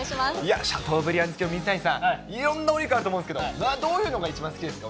シャトーブリアン好きな水谷さん、いろんなお肉あると思うんですけど、どういうのが一番好きですか？